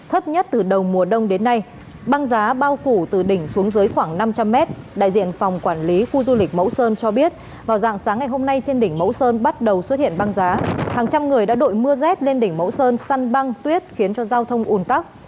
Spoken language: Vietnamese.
hàng trăm người đã đội mưa rét lên đỉnh mẫu sơn săn băng tuyết khiến cho giao thông ùn tắc